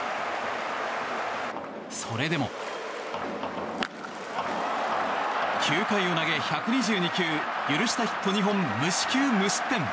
それでも９回を投げ１２２球許したヒット２本無四球無失点。